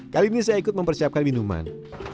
kali ini saya ikut mempersiapkan minuman